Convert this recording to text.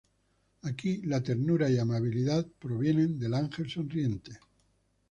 Aquí la ternura y amabilidad provienen del ángel sonriente.